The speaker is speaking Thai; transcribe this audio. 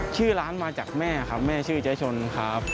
ชื่อร้านมาจากแม่ครับแม่ชื่อเจ๊ชนครับ